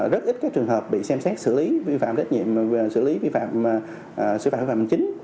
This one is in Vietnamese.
rất ít trường hợp bị xem xét xử lý vi phạm trách nhiệm xử lý vi phạm xử phạt hợp phạm chính